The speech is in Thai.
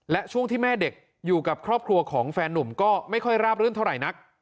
และช่วงที่แม่เด็กอยู่กับครอบครัวของแฟนนุ่มก็ไม่ค่อยราบรื่นเท่าไหร่นัก